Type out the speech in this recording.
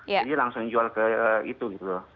jadi langsung jual ke itu gitu loh